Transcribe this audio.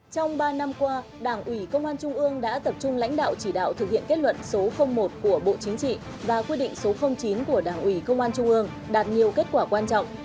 trong ba năm qua đảng ủy công an trung ương đã tập trung lãnh đạo chỉ đạo thực hiện kết luận số một của bộ chính trị và quyết định số chín của đảng ủy công an trung ương đạt nhiều kết quả quan trọng